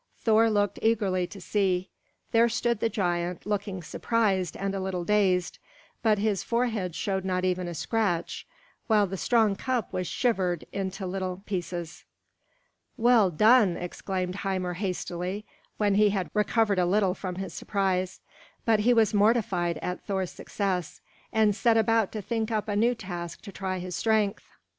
Thor looked eagerly to see. There stood the giant, looking surprised and a little dazed; but his forehead showed not even a scratch, while the strong cup was shivered into little pieces. "Well done!" exclaimed Hymir hastily, when he had recovered a little from his surprise. But he was mortified at Thor's success, and set about to think up a new task to try his strength.